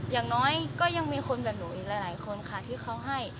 อย่างน้อยก็ยังมีคนแบบหนูอีกหลายคนค่ะที่เขาให้